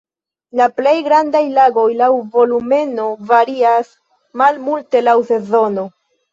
La plej grandaj lagoj laŭ volumeno varias malmulte laŭ sezono.